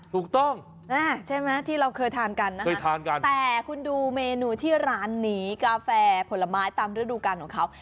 ถูกต้องใช่ไหมที่เราเคยทานกันนะคะแต่คุณดูเมนูที่ร้านนี้กาแฟผลไม้ตามฤดูการของเขา